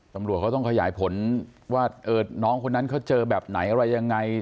ตำรวจเขาต้องขยายผลว่าน้องคนนั้นเขาเจอแบบไหนอะไรยังไง